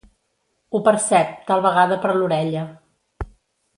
Ho percep, tal vegada per l'orella.